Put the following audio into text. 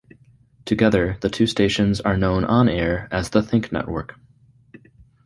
Together, the two stations are known on-air as the Think Network.